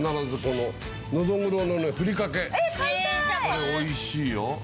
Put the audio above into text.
これおいしいよ。